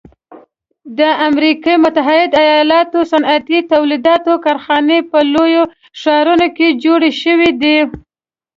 د امریکي متحده ایلاتو صنعتي تولیداتو کارخانې په لویو ښارونو کې جوړې شوي دي.